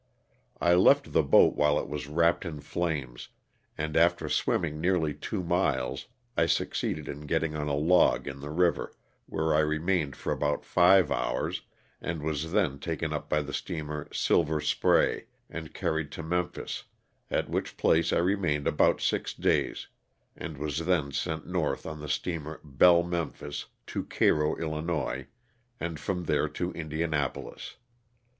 I left the boat while it was wrapped in flames, and after swimming nearly two miles I succeeded in getting on a log in the river, where I remained for about five hours and was then taken up by the steamer '* Silver Spray" and carried to Memphis, at which place I remained about six days and was then sent north on the steamer "Belle Memphis" to Cairo, 111., and from there to Indianapolis.